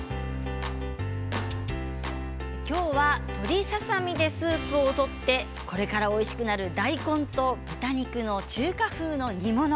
今日は鶏ささ身でスープを取ってこれからおいしくなる大根と豚肉の中華風の煮物。